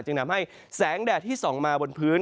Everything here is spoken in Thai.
ทำให้แสงแดดที่ส่องมาบนพื้น